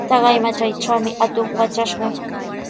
Taqay matraytrawmi atuq watrashqa.